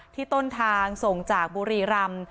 ต้นทางส่งจากบุรีรำ